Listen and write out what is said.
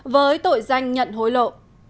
với tội danh nhận hối lộ